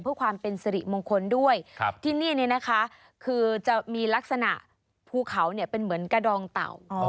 เพื่อความเป็นสิริมงคลด้วยที่นี่เนี่ยนะคะคือจะมีลักษณะภูเขาเนี่ยเป็นเหมือนกระดองเต่า